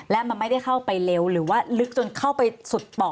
และมันไม่ได้เข้าไปเร็วหรือว่าลึกจนเข้าไปสุดป่อ